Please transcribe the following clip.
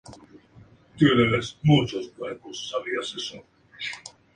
Ángel: Carlos Alcántara.